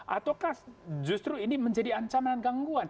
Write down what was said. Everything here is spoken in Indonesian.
ataukah justru ini menjadi ancaman dan gangguan